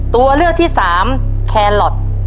ตัวเลือกที่สามแคลอท